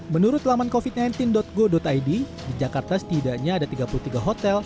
menurut laman covid sembilan belas go id di jakarta setidaknya ada tiga puluh tiga hotel